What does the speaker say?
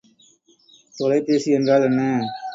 தொலைபேசி என்றால் என்ன?